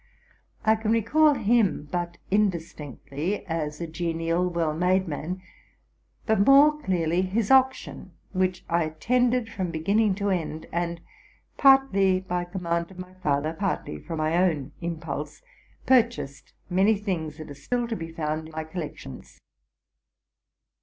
I can recall him but indistinctly, as a genial, well made man; but more clearly his auction, which I attended from beginning to end, and, partly by command of my father, partly from my own impulse, purchased many things that are still to be found in my collections.